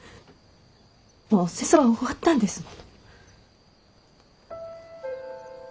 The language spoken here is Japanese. もう戦争は終わったんですもの。